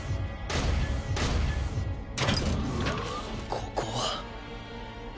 ここは。